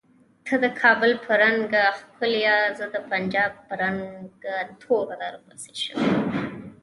ته د کابل په رنګه ښکولیه زه د پنجاب په رنګ تور درپسې شومه